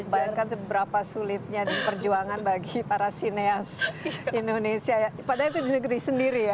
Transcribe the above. bayangkan seberapa sulitnya perjuangan bagi para sineas indonesia padahal itu di negeri sendiri ya